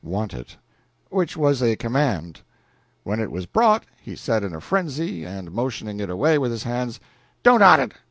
(want it), which was a command. When it was brought, he said in a frenzy, and motioning it away with his hands, "Don't awnt it!